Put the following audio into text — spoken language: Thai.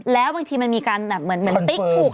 แล้วบางทีมันมีการแบบเหมือนติ๊กถูก